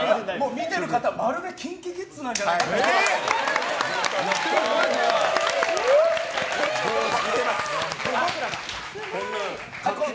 見てる方、まるでＫｉｎＫｉＫｉｄｓなんじゃないかと思うくらい。